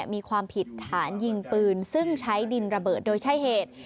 มีความผิดฐานยิงปืนซึ่งใช้ดินระเบิดโดยใช้เหตุ